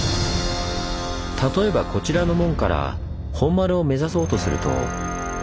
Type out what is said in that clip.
例えばこちらの門から本丸を目指そうとすると。